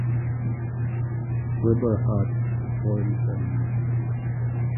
Wilbur Hatch supplied the music.